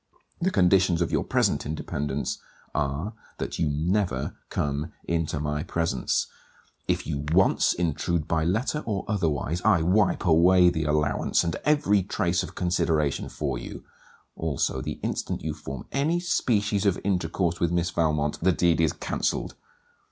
The conditions of your present independence are, that you never come into my presence: If you once intrude by letter or otherwise I wipe away the allowance and every trace of consideration for you: Also, the instant you form any species of intercourse with Miss Valmont, the deed is cancelled.